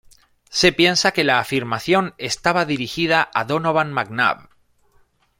Se piensa que la afirmación estaba dirigida a Donovan McNabb.